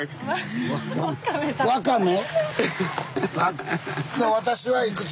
ワカメ⁉